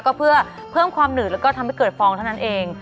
ก็เพื่อเพิ่มความหนืดแล้วก็ทำให้เกิดฟองเท่านั้นเอง